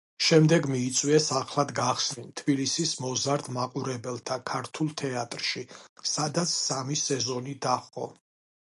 შემდეგ მიიწვიეს ახლად გახსნილ თბილისის მოზარდ მაყურებელთა ქართულ თეატრში, სადაც სამი სეზონი დაჰყო.